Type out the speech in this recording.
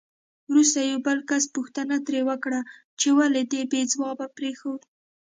وروسته یو بل کس پوښتنه ترې وکړه چې ولې دې بې ځوابه پرېښود؟